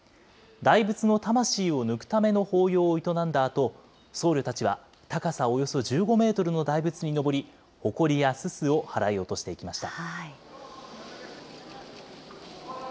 大仏の魂を抜くための法要を営んだあと、僧侶たちは高さおよそ１５メートルの大仏にのぼり、ほこりやすすを払い落していきました。